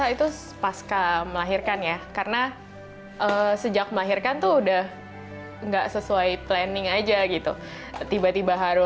itu makin bikin pikiran jadi gimana ya